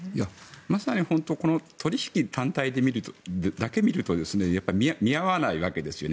まさに本当に取り引き単体だけ見ると見合わないわけですよね。